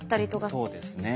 そうですね。